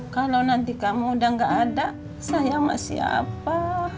kalau nanti kamu udah nggak ada sayang masih apa